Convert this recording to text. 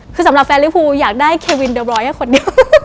คือสำหรับแฟนลิฟูอยากได้เควินเดอร์บรอยให้คนเดียว